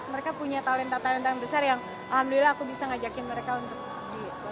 mereka punya talenta talenta yang besar yang alhamdulillah aku bisa ngajakin mereka untuk di